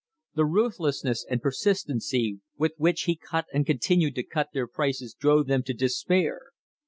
The ruthlessness and persistency with which he cut and continued to cut their prices drove them to despair.